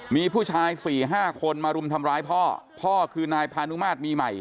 มีผู้ชายสี่ห้าคนมารุมทำร้ายพ่อพ่อคือนายพานุมาตรมีใหม่